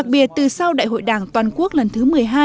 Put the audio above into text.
vì từ sau đại hội đảng toàn quốc lần thứ một mươi hai